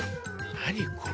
何これ？